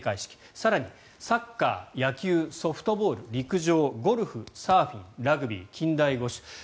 更にサッカー、野球ソフトボール陸上、ゴルフ、サーフィンラグビー近代五種。